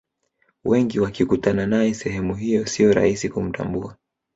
wengi wakikutana nae sehemu hiyo siyo rahisi kumtambua